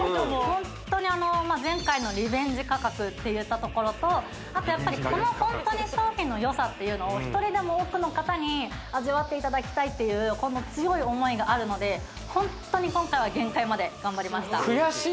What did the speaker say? ホントに前回のリベンジ価格っていったところとあとやっぱりこのホントに商品のよさっていうのを一人でも多くの方に味わっていただきたいっていうこの強い思いがあるのでホントに今回は限界まで頑張りました